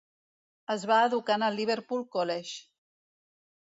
Es va educar en el Liverpool College.